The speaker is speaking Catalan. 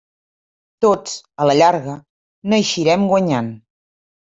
Tots, a la llarga, n'eixirem guanyant.